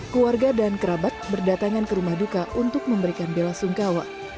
keluarga dan kerabat berdatangan ke rumah duka untuk memberikan bela sungkawa